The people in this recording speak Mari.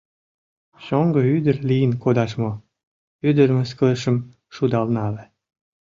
Шоҥго ӱдыр лийын кодаш мо? — ӱдыр мыскылышым шудал нале.